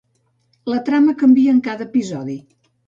La trama canvia en cada episodi.